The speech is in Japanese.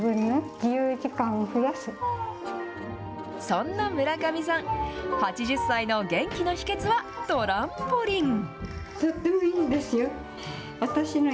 そんな村上さん、８０歳の元気の秘けつは、トランポリン。